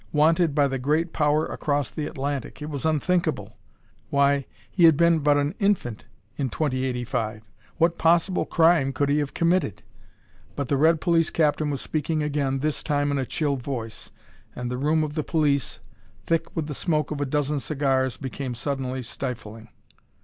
Wanted by the great power across the Atlantic! It was unthinkable. Why, he had been but an infant in 2085! What possible crime could he have committed? But the red police captain was speaking again, this time in a chill voice. And the room of the police, thick with the smoke of a dozen cigars, became suddenly stifling.